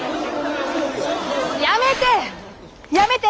やめて！